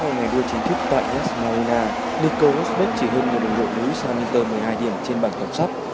ngày đua chính thức tại jazz marina nico rosberg chỉ hơn được đồng đội lewis hamilton một mươi hai điểm trên bàn tổng sắp